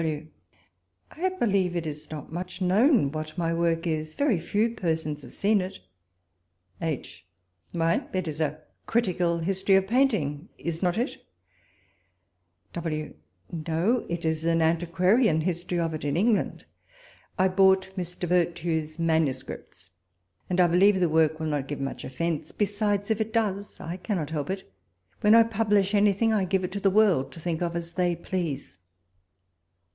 W. I believe it is not much known wiiat my woj k is, very few persons have seen it. H. Why, it is a critical history of painting, is not it I W. No, it is an antiquaiian history of it in England ; I bought Mr. Vertue's MSS., and, I believe, the work will not give much offence ; besides, if it does, I cannot help it ; when I publish anything, I give it to the world to think of it as they please.